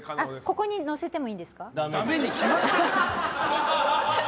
ここに乗せてもいいんですか？